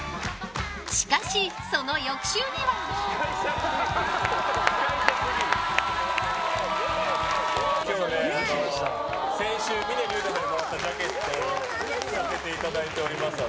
しかし、その翌週には。今日はね先週、峰竜太さんからもらったジャケットを着させていただいております私。